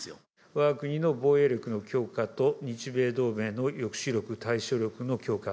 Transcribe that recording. わが国の防衛力の強化と日米同盟の抑止力、対処力の強化。